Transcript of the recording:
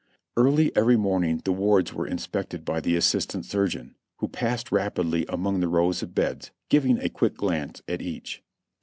Early every morning the wards were inspected by the assist ant surgeon, who passed rapidly along the rows of beds, giving a quick glance at each.